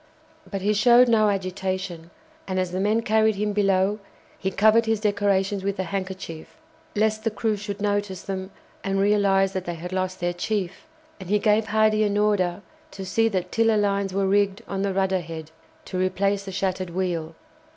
But he showed no agitation, and as the men carried him below he covered his decorations with a handkerchief, lest the crew should notice them and realize that they had lost their chief, and he gave Hardy an order to see that tiller lines were rigged on the rudder head, to replace the shattered wheel.